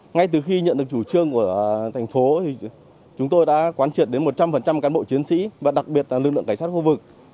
ngay từ khi nhận được chủ trương của thành phố chúng tôi đã quán triệt đến một trăm linh cán bộ chiến sĩ và đặc biệt là lực lượng cảnh sát khu vực